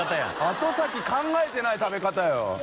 綫考えてない食べ方よ。